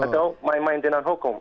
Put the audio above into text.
atau main main dengan hukum